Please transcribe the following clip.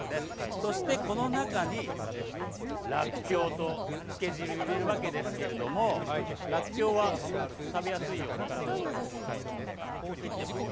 そしてこの中にらっきょうと漬け汁入れるわけですけれどもらっきょうは食べやすいように切ってますよ。